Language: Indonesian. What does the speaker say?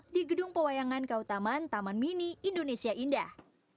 di gedung pewayangan kautaman taman mini indonesia indah